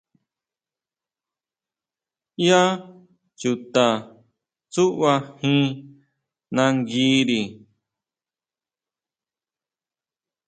¿ʼYá chuta tsuʼbajín nanguiri?